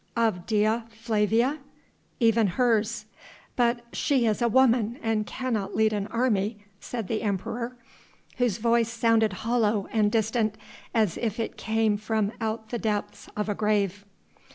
"Of Dea Flavia?" "Even hers." "But she is a woman, and cannot lead an army," said the Emperor, whose voice sounded hollow and distant, as if it came from out the depths of a grave.